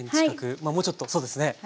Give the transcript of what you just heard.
まあもうちょっとそうですね。